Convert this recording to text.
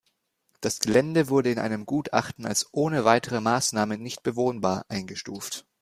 Das Gelände wurde in einem Gutachten als „ohne weitere Maßnahmen nicht bewohnbar“ eingestuft.